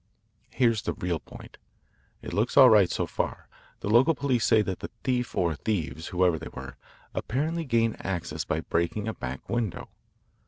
"Here's the real point. It looks all right, so far. The local police say that the thief or thieves, whoever they were, apparently gained access by breaking a back window.